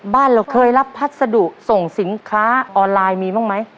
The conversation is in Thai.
บ้านเราเคยรับพัสดุส่งสินค้าออนไลน์มีบ้างไหม